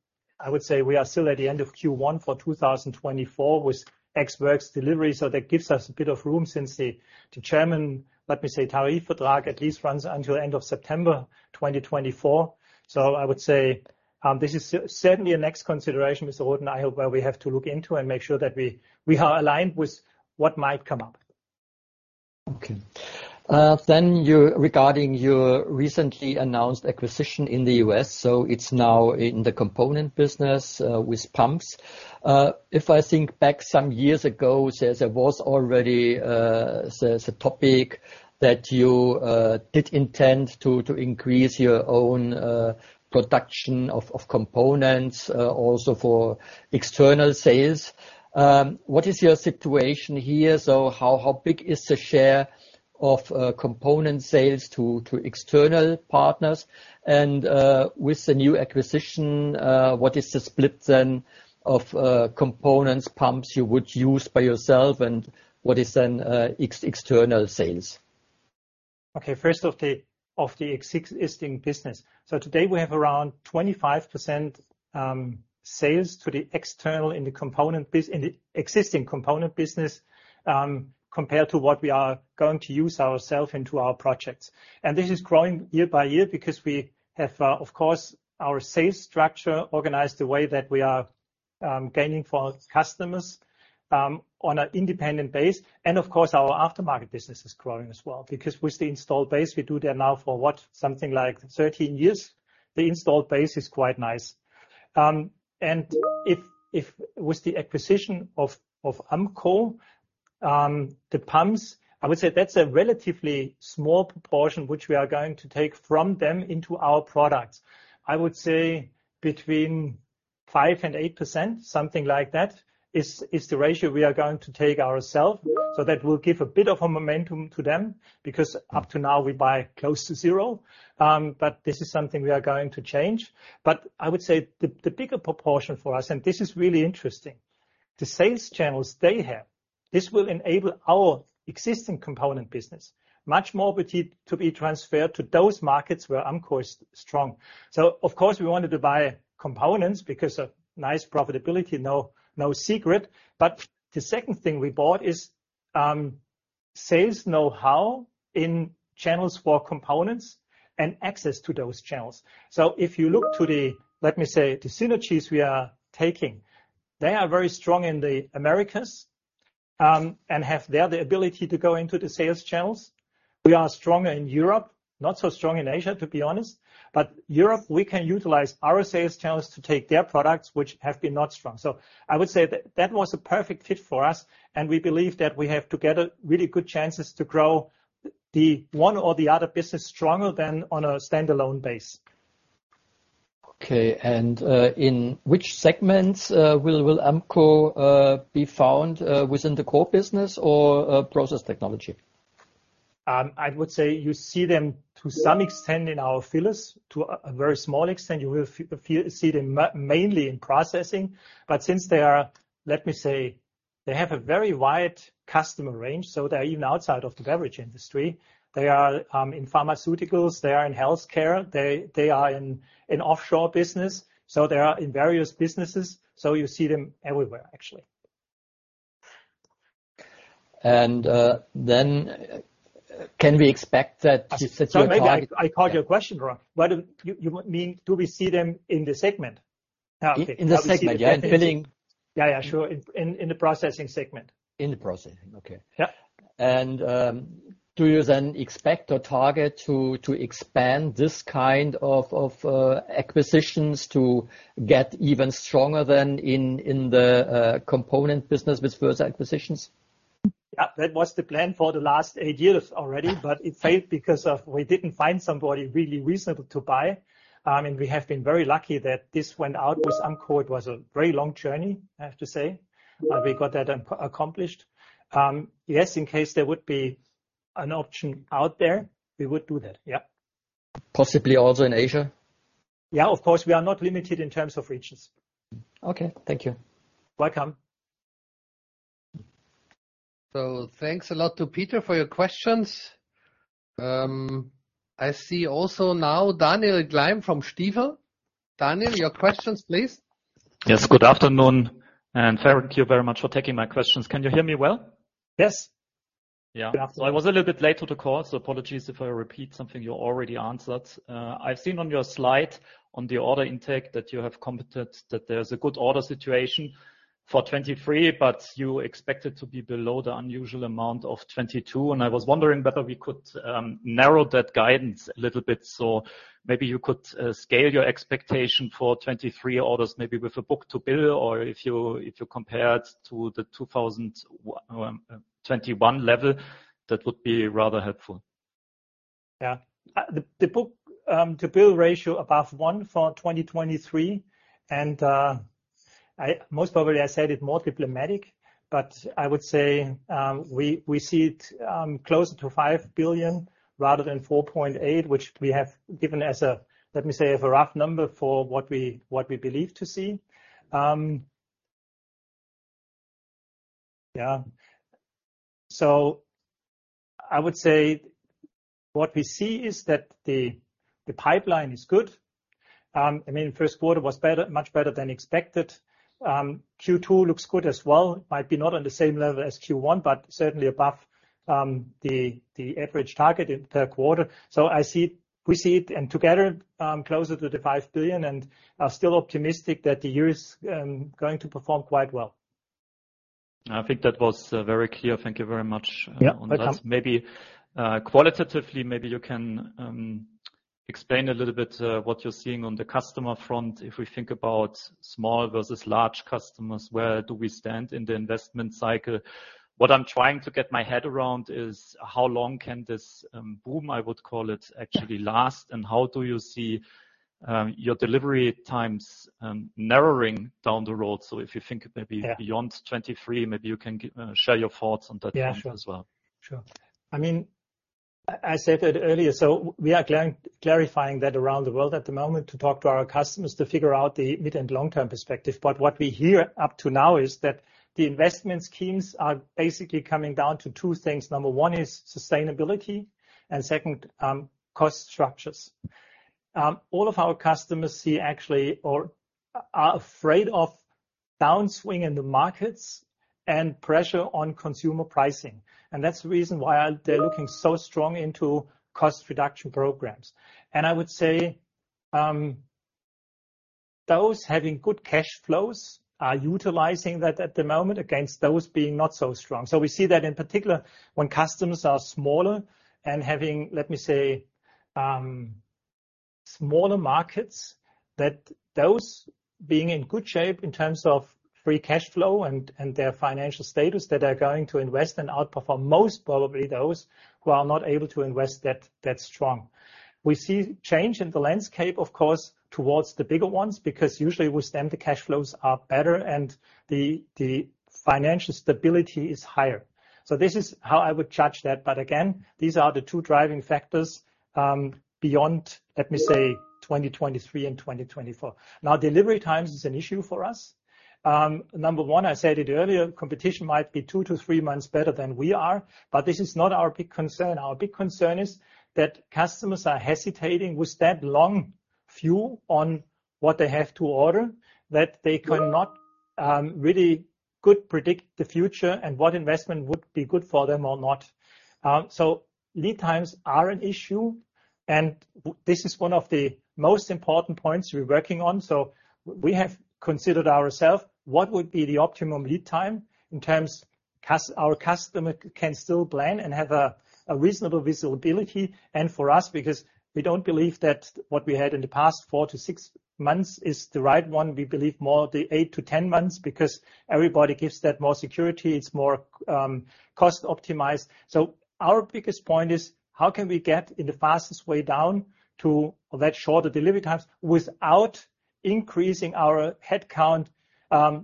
would say we are still at the end of Q1 for 2024 with ex works delivery. That gives us a bit of room since the chairman, let me say, tariff contract at least runs until end of September 2024. I would say, this is certainly a next consideration, Mr. Rottner, where we have to look into and make sure that we are aligned with what might come up. Okay. regarding your recently announced acquisition in the U.S., it's now in the component business with pumps. If I think back some years ago, there was already a topic that you did intend to increase your own production of components also for external sales. What is your situation here? How big is the share of component sales to external partners? With the new acquisition, what is the split then of components, pumps you would use by yourself, and what is then external sales? First of the existing business. Today we have around 25% sales to the external in the existing component business compared to what we are going to use ourself into our projects. This is growing year by year because we have, of course, our sales structure organized the way that we are gaining for our customers on an independent base. Of course, our aftermarket business is growing as well because with the installed base, we do that now for what? Something like 1three years. The installed base is quite nice. If with the acquisition of Ampco, the pumps, I would say that's a relatively small proportion which we are going to take from them into our products. I would say between 5% and 8%, something like that, is the ratio we are going to take ourself. That will give a bit of a momentum to them because up to now we buy close to 0. This is something we are going to change. I would say the bigger proportion for us, and this is really interesting, the sales channels they have, this will enable our existing component business much more to be transferred to those markets where Ampco is strong. Of course we wanted to buy components because of nice profitability, no secret. The second thing we bought is sales know-how in channels for components and access to those channels. If you look to the, let me say, the synergies we are taking, they are very strong in the Americas, and have there the ability to go into the sales channels. We are stronger in Europe, not so strong in Asia, to be honest. Europe, we can utilize our sales channels to take their products, which have been not strong. I would say that that was a perfect fit for us, and we believe that we have together really good chances to grow the one or the other business stronger than on a standalone base. Okay. In which segments, will Ampco be found, within the core business or Process technology? I would say you see them to some extent in our fillers. To a very small extent, you will see them mainly in processing. Since they are, let me say, they have a very wide customer range, they are even outside of the beverage industry. They are in pharmaceuticals, they are in healthcare, they are in offshore business. They are in various businesses, you see them everywhere, actually. Can we expect that your target- Sorry, maybe I caught your question wrong. You mean do we see them in the segment? Okay. In the segment, yeah. In filling. Yeah, yeah, sure. In the processing segment. In the processing, okay. Yeah. Do you then expect or target to expand this kind of acquisitions to get even stronger than in the component business with further acquisitions? Yeah. That was the plan for the last eight years already, but it failed because of we didn't find somebody really reasonable to buy. We have been very lucky that this went out with Ampco. It was a very long journey, I have to say. We got that accomplished. Yes, in case there would be an option out there, we would do that. Yeah. Possibly also in Asia? Yeah, of course. We are not limited in terms of regions. Okay. Thank you. Welcome. Thanks a lot to Peter for your questions. I see also now Daniel Gleim from Stifel. Daniel, your questions, please. Yes. Good afternoon. Thank you very much for taking my questions. Can you hear me well? Yes. I was a little bit late to the call, so apologies if I repeat something you already answered. I've seen on your slide on the order intake that you have commented that there's a good order situation for 23, but you expect it to be below the unusual amount of 22. I was wondering whether we could narrow that guidance a little bit. Maybe you could scale your expectation for 23 orders, maybe with a book-to-bill, or if you, if you compare it to the 2021 level, that would be rather helpful. Yeah. The book to bill ratio above 1 for 2023, Most probably I said it more diplomatic, but I would say, we see it closer to 5 billion rather than 4.8 billion, which we have given as a, let me say, as a rough number for what we, what we believe to see. Yeah. I would say what we see is that the pipeline is good. I mean, first quarter was better, much better than expected. Q2 looks good as well. Might be not on the same level as Q1, but certainly above the average target in per quarter. We see it and together closer to 5 billion and are still optimistic that the year is going to perform quite well. I think that was very clear. Thank you very much. Yeah. Welcome. On that. Maybe qualitatively, maybe you can explain a little bit what you're seeing on the customer front. If we think about small versus large customers, where do we stand in the investment cycle? What I'm trying to get my head around is how long can this boom, I would call it, actually last, and how do you see your delivery times narrowing down the road? Yeah. Beyond 23, maybe you can share your thoughts on that point as well. Yeah, sure. Sure. I mean, I said it earlier, we are clarifying that around the world at the moment to talk to our customers to figure out the mid and long-term perspective. What we hear up to now is that the investment schemes are basically coming down to 2 things. Number 1 is sustainability, and second, cost structures. All of our customers see actually or are afraid of downswing in the markets and pressure on consumer pricing, and that's the reason why they're looking so strong into cost reduction programs. I would say, those having good cash flows are utilizing that at the moment against those being not so strong. We see that in particular when customers are smaller and having, let me say, smaller markets, that those being in good shape in terms of free cash flow and their financial status, that they are going to invest and outperform most probably those who are not able to invest that strong. We see change in the landscape, of course, towards the bigger ones because usually with them, the cash flows are better and the financial stability is higher. This is how I would judge that. Again, these are the two driving factors, let me say, beyond 2023 and 2024. Delivery times is an issue for us. Number one, I said it earlier, competition might be 2 to three months better than we are, but this is not our big concern. Our big concern is that customers are hesitating with that long view on what they have to order, that they cannot really could predict the future and what investment would be good for them or not. Lead times are an issue, and this is one of the most important points we're working on. We have considered ourself what would be the optimum lead time in terms our customer can still plan and have a reasonable visibility and for us because we don't believe that what we had in the past 4-6 months is the right one. We believe more the 8-10 months because everybody gives that more security, it's more cost optimized. Our biggest point is how can we get in the fastest way down to that shorter delivery times without increasing our headcount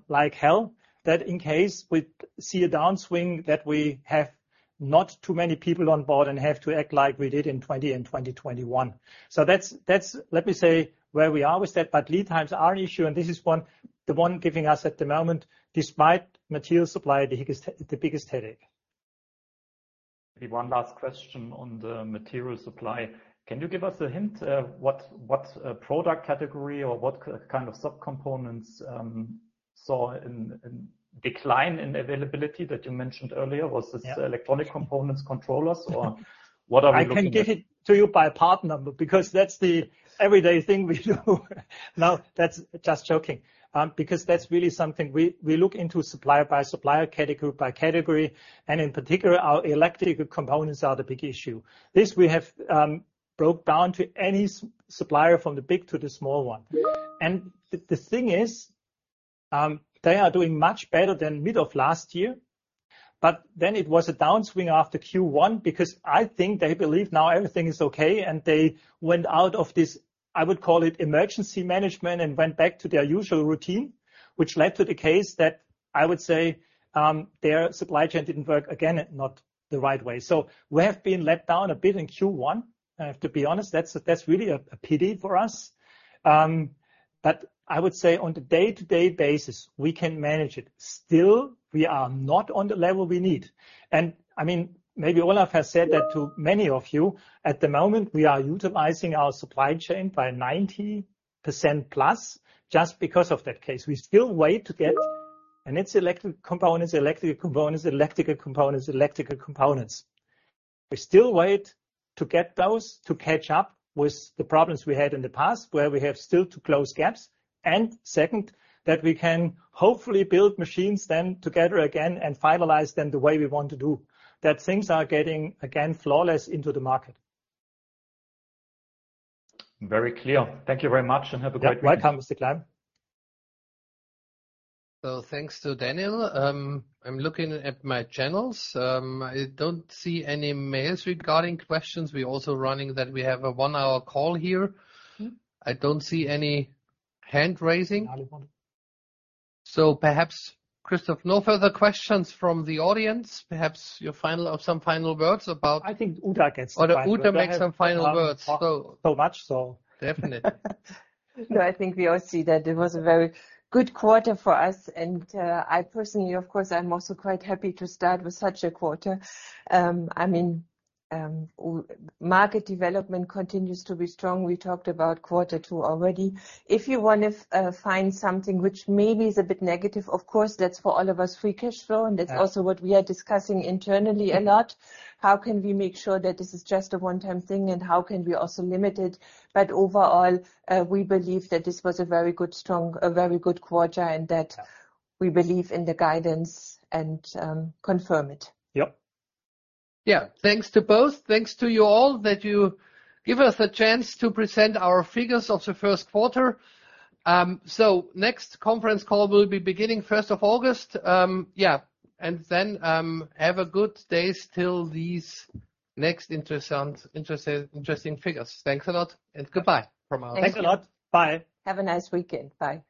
like hell? That in case we see a downswing, that we have not too many people on board and have to act like we did in 20 and 2021. That's, let me say, where we are with that. Lead times are an issue, and this is the one giving us at the moment, despite material supply, the biggest headache. Maybe one last question on the material supply. Can you give us a hint, what kind of subcomponents saw a decline in availability that you mentioned earlier? Yeah. electronic components, controllers or what are we looking at? I can give it to you by part number because that's the everyday thing we do. No, Just joking, because that's really something we look into supplier by supplier, category by category, and in particular our electrical components are the big issue. This we have broke down to any supplier from the big to the small one. The, the thing is, they are doing much better than mid of last year, but then it was a downswing after Q1 because I think they believe now everything is okay and they went out of this, I would call it emergency management, and went back to their usual routine, which led to the case that I would say, their supply chain didn't work again not the right way. We have been let down a bit in Q1. I have to be honest, that's really a pity for us. I would say on the day-to-day basis, we can manage it. Still, we are not on the level we need. I mean, maybe Olaf has said that to many of you, at the moment we are utilizing our supply chain by 90% plus just because of that case. We still wait to get electrical components. We still wait to get those to catch up with the problems we had in the past, where we have still to close gaps. Second, that we can hopefully build machines then together again and finalize them the way we want to do, that things are getting again flawless into the market. Very clear. Thank you very much and have a great day. Yeah. Welcome, Mr. Klein. Thanks to Daniel. I'm looking at my channels. I don't see any mails regarding questions. We're also running that we have a one-hour call here. Mm-hmm. I don't see any hand-raising. I don't want. Perhaps, Christoph, no further questions from the audience. Perhaps your final or some final words. I think Uta gets the final word. Uta make some final words. Much so. Definitely. No, I think we all see that it was a very good quarter for us and I personally, of course, I'm also quite happy to start with such a quarter. I mean, market development continues to be strong. We talked about quarter two already. If you wanna find something which maybe is a bit negative, of course, that's for all of us free cash flow, and that's also what we are discussing internally a lot. How can we make sure that this is just a one-time thing and how can we also limit it? Overall, we believe that this was a very good quarter and that we believe in the guidance and confirm it. Yeah. Yeah. Thanks to both. Thanks to you all that you give us the chance to present our figures of the first quarter. Next conference call will be beginning first of August. Yeah. Have a good day till these next interest, interesting figures. Thanks a lot and goodbye from our side. Thanks a lot. Bye. Have a nice weekend. Bye.